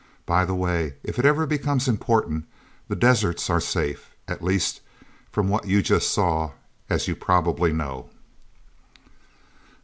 By the way, if it ever becomes important, the deserts are safe at least from what you just saw as you probably know..."